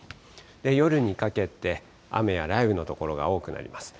夜にかけて雨や雷雨の所が多くなります。